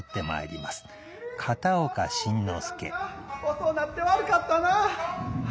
遅うなって悪かったな。